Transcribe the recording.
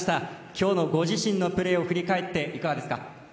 今日のご自身のプレーを振り返っていかがですか？